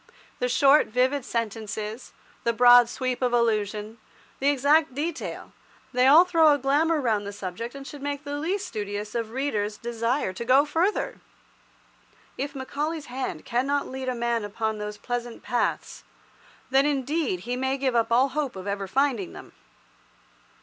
The short, vivid sentences, the broad sweep of allusion, the exact detail, they all throw a glamour round the subject and should make the least studious of readers desire to go further. If Macaulay's hand cannot lead a man upon those pleasant paths, then, indeed, he may give up all hope of ever finding them.